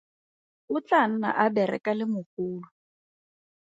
O tlaa nna a bereka le mogolo.